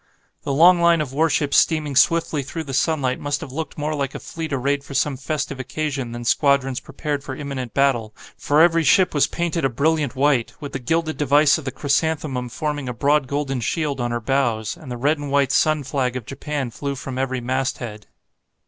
The long line of warships steaming swiftly through the sunlight must have looked more like a fleet arrayed for some festive occasion than squadrons prepared for imminent battle, for every ship was painted a brilliant white, with the gilded device of the chrysanthemum forming a broad golden shield on her bows, and the red and white sun flag of Japan flew from every masthead.